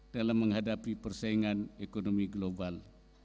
dalam menghadapi persaingan ekonomi global